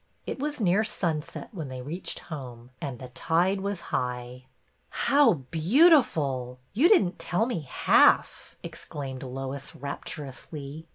It was near sunset when they reached home, and the tide was high. ''How beautiful! You didn't tell me half," exclaimed Lois, rapturously.